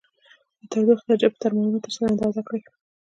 د تودوخې درجه په ترمامتر سره اندازه کړئ.